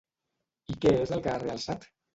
I què és el que ha realçat?